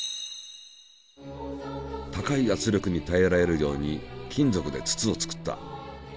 高い圧力にたえられるように金属で筒を作った。